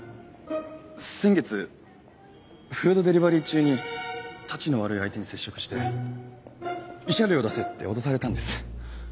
先月フードデリバリー中にタチの悪い相手に接触して慰謝料出せって脅されたんです。